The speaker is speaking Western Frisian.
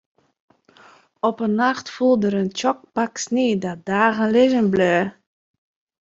Op in nacht foel der in tsjok pak snie dat dagen lizzen bleau.